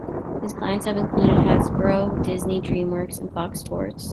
His clients have included Hasbro, Disney, DreamWorks and Fox Sports.